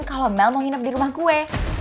kalau mel mau nginep di rumah gue